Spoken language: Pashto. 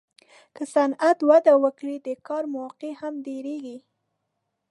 که صنعت وده وکړي، د کار موقعې هم ډېرېږي.